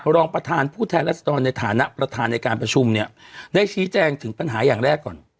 รองประธานผู้แทนรัศดรในฐานะประธานในการประชุมเนี่ยได้ชี้แจงถึงปัญหาอย่างแรกก่อน